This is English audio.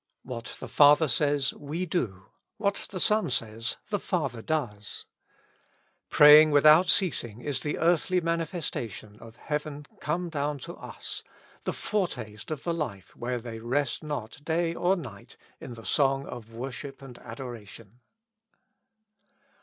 What the Father says, we do ; what the Son says, the Father does. Praying without ceasing is the earthly manifestation of heaven come down to us, the fore taste of the life where they rest not day or night in the song of worship and adoration.